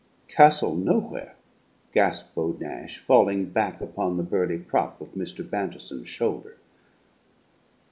"Castle Nowhere!" gasped Beau Nash, falling back upon the burly prop of Mr. Bantison's shoulder.